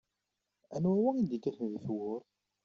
Anwa wa i d-ikkaten di tewwurt?